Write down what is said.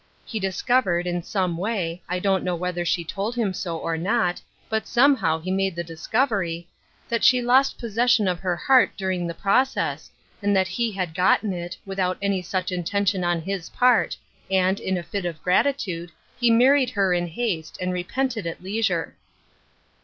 He discoy 26 Ruth Urskine's Crossei. ered, in some way — I don't know whether she told him so or not, but somehow he made the discovery — that she lost possession of her heart during the process, and that he had gotten it, without any such intention on his part, and, in a fit of gratitude, he married her in haste, and repented at leisure."